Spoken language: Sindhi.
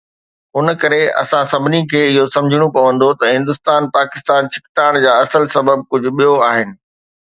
ان ڪري، اسان سڀني کي اهو سمجهڻو پوندو ته هندستان-پاڪستان ڇڪتاڻ جا اصل سبب ڪجهه ٻيو آهن.